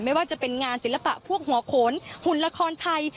ไม่ว่าจะเป็นงานศิลปะพวกหัวโขนหุ่นละครไทย